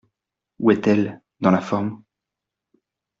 Où est-elle ? dans la forme ?